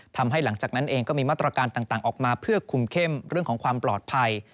หลังจากนั้นเองก็มีมาตรการต่างออกมาเพื่อคุมเข้มเรื่องของความปลอดภัย